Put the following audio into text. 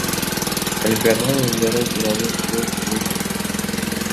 Олимпиада оюндары тууралуу сөз болуп жатат.